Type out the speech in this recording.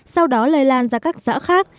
sau đó lây lan ra các xã khác